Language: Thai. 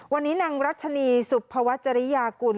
วันนี้นางรัชนีสุภวัชริยากุล